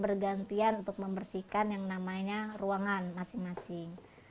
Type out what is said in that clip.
sehingga saya setiap perlantai saya memberikan tugas kepada mereka untuk bertanggung jawab pada masing masing